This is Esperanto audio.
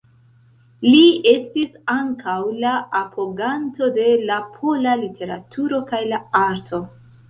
Li estis ankaŭ la apoganto de la pola literaturo kaj la arto.